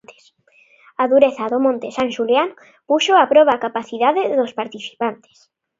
A dureza do monte San Xulián puxo a proba a capacidade dos participantes.